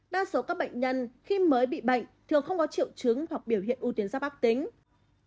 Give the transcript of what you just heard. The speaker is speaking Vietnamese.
đa số các bệnh nhân khi mới bị bệnh thường không có triệu chứng hoặc biểu hiện u tuyến giáp ác tính